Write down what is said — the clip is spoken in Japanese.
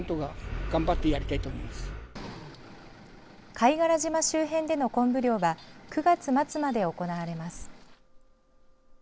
貝殻島周辺でのコンブ漁は９月末まで行われます。